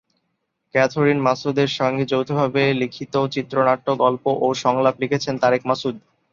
Catherine মাসুদের সঙ্গে যৌথভাবে লিখিত চিত্রনাট্যের গল্প ও সংলাপ লিখেছেন তারেক মাসুদ।